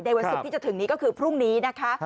วันศุกร์ที่จะถึงนี้ก็คือพรุ่งนี้นะคะ